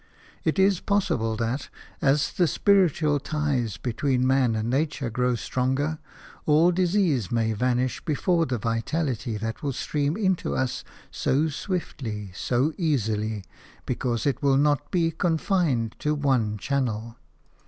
It is possible that, as the spiritual ties between man and nature grow stronger, all disease may vanish before the vitality that will stream into us so swiftly, so easily, because it will not be confined to one channel.